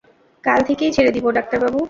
কাল থেকেই ছেড়ে দিবো, ডাক্তার বাবু।